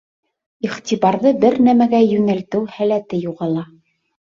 Иғтибарҙы бер нәмәгә йүнәлтеү һәләте юғала.